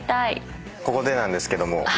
ここでなんですけども。